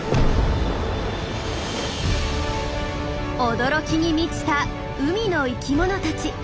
驚きに満ちた海の生きものたち。